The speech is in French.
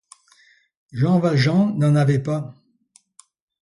Jean Valjean n'en avait pas.